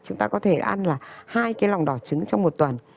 chúng ta có thể ăn là hai cái lòng đỏ trứng trong một tuần